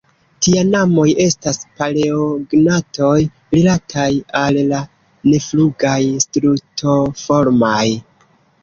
Tinamoj estas paleognatoj rilataj al la neflugaj Strutoformaj.